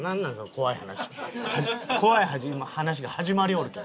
怖い話が始まりよるけん。